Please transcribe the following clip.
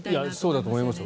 そうだと思います。